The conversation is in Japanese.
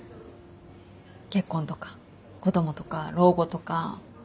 結婚とか子供とか老後とか。